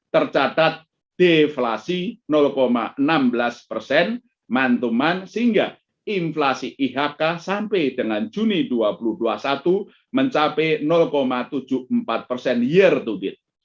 tercatat deflasi enam belas persen mantuman sehingga inflasi ihk sampai dengan juni dua ribu dua puluh satu mencapai tujuh puluh empat persen year to beat